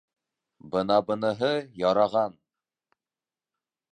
— Бына быныһы яраған.